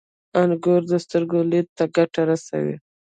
• انګور د سترګو لید ته ګټه رسوي.